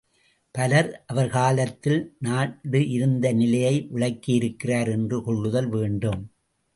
பல அவர் காலத்தில் நாடு இருந்த நிலையை விளக்கியிருக்கிறார் என்று கொள்ளுதல் வேண்டும்.